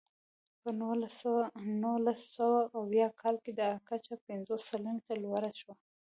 په نولس سوه اویا کال کې دا کچه پنځوس سلنې ته لوړه شوه.